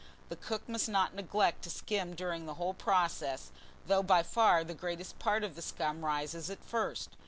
The cook must not neglect to skim during the whole process, though by far the greater part of the scum rises at first.